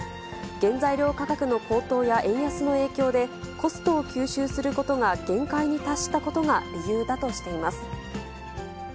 原材料価格の高騰や円安の影響で、コストを吸収することが限界に達したことが理由だとしています。